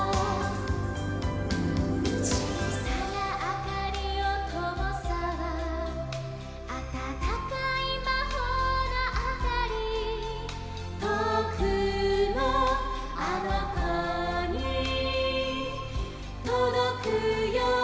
「ちいさなあかりをともそう」「あたたかいまほうのあかり」「とおくのあのこにとどくように」